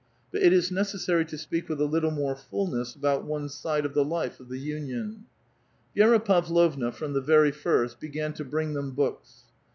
But it is necessary to speak with a little more fulness alK)Ut one side of the life of the uni<m. Vi^ra PavloVna, from the very lirst, began to bring them books.